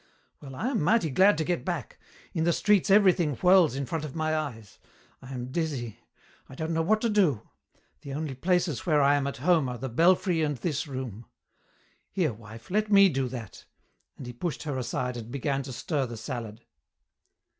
Well, I am mighty glad to get back. In the streets everything whirls in front of my eyes. I am dizzy. I don't know what to do. The only places where I am at home are the belfry and this room. Here, wife, let me do that," and he pushed her aside and began to stir the salad.